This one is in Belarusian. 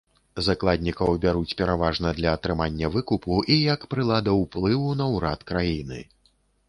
Закладнікаў бяруць пераважна для атрымання выкупу і як прылада ўплыву на ўрад краіны.